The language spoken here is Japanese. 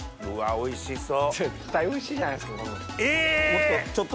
おいしそう！